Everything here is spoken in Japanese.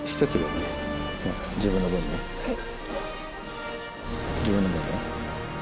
はい。